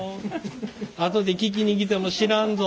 後で聞きに来ても知らんぞ。